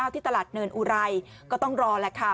ที่ตลาดเนินอุไรก็ต้องรอแหละค่ะ